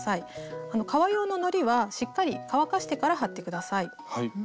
革用ののりはしっかり乾かしてから貼って下さい。